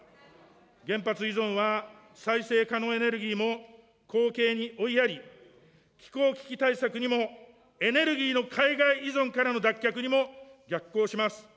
原発依存は、再生可能エネルギーも後景に追いやり、気候危機対策にもエネルギーの海外依存からの脱却にも逆行します。